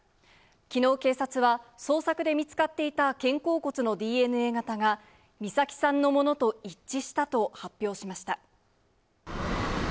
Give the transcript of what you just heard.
きのう、警察は捜索で見つかっていた肩甲骨のＤＮＡ型が、美咲さんのものと一致したと発表しました。